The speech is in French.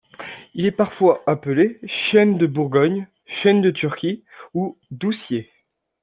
Il est parfois appelé Chêne de Bourgogne, Chêne de Turquie ou Doucier.